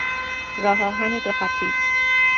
راهآهن دو خطی